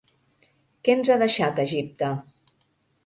Què ens ha deixat Egipte?